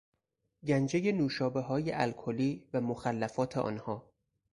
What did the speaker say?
گنجهی نوشابههای الکلی و مخلفات آنها